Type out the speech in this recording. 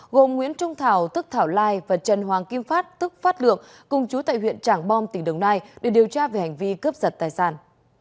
gồm nguyễn trung thảo tức thảo lai và trần hoàng kim phát tức phát lượng cùng chú tại huyện trảng bom tỉnh đồng nai để điều tra về hành vi cướp giật tài sản